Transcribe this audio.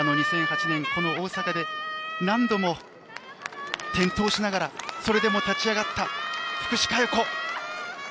２００８年、この大阪で何度も転倒しながらそれでも立ち上がった福士加代子。